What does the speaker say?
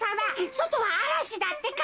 そとはあらしだってか。